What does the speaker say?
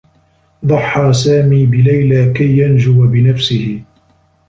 ضحّى سامي بليلى كي ينجو بنفسه.